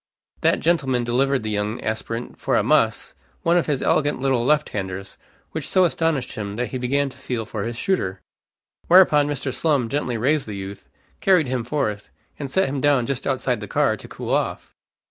That gentleman delivered the young aspirant for a muss one of his elegant little left handers, which so astonished him that he began to feel for his shooter. Whereupon Mr. Slum gently raised the youth, carried him forth, and set him down just outside the car to cool off.